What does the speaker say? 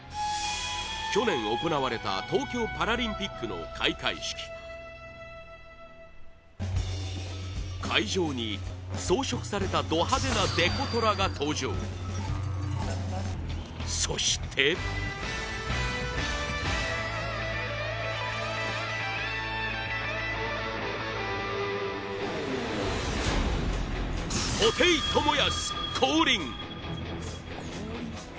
去年、行われた東京パラリンピックの開会式会場に、装飾されたド派手なデコトラが登場そして布袋寅泰、降臨！